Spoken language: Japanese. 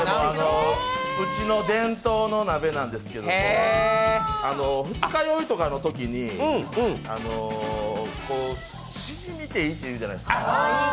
うちの伝統の鍋なんですけど二日酔いとかのときにシジミっていいって言うじゃないですか。